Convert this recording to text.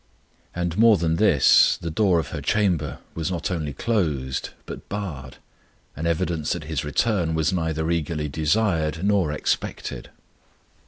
And more than this, the door of her chamber was not only closed, but barred; an evidence that His return was neither eagerly desired nor expected.